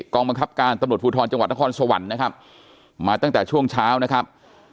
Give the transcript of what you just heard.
กองบังคับการตำรวจภูทรจังหวัดนครสวรรค์นะครับมาตั้งแต่ช่วงเช้านะครับ